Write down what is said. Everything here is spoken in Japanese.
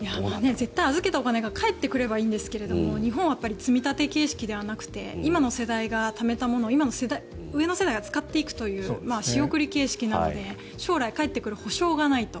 絶対に預けたお金が返ってくればいいんですが日本は積み立て形式ではなくて今の世代がためたものを上の世代が使っていくという仕送り形式なので将来返ってくる保証がないと。